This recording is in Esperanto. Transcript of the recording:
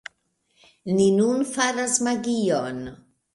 Ni nun faras magion